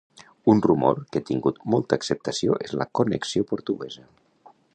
Un rumor que ha tingut molta acceptació és la connexió portuguesa.